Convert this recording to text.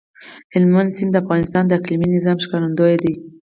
هلمند سیند د افغانستان د اقلیمي نظام ښکارندوی ده.